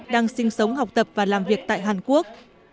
đang sinh sống học tập và làm việc tại hàn quốc